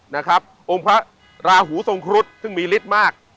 นะครับองค์พระราหูทรงครุฑซึ่งมีฤทธิ์มาก